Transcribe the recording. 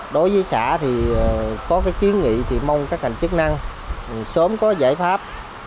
đối với xã thì có cái kiến nghị thì mong các ngành chức năng sớm có giải pháp